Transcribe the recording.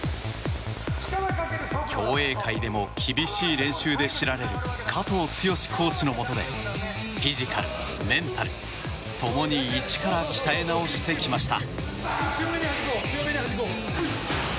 競泳界でも厳しい練習で知られる加藤健志コーチのもとでフィジカル、メンタル共に一から鍛え直してきました。